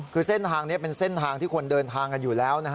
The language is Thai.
คือเส้นทางนี้เป็นเส้นทางที่คนเดินทางกันอยู่แล้วนะฮะ